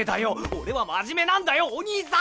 俺は真面目なんだよお義兄さん！